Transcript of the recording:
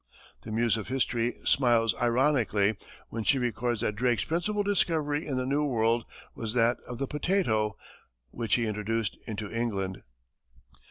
The Muse of History smiles ironically when she records that Drake's principal discovery in the New World was that of the potato, which he introduced into England.